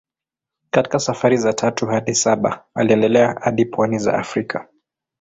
Katika safari za tatu hadi saba aliendelea hadi pwani za Afrika.